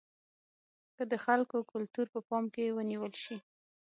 که د خلکو کلتور په پام کې ونیول شي.